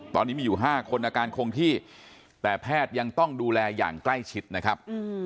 ตอนนี้มีอยู่๕คนอาการคงที่แต่แพทย์ยังต้องดูแลอย่างใกล้ชิดนะครับ